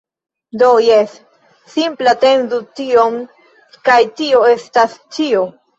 Do, jes... simple atendu tion kaj tio estas ĉio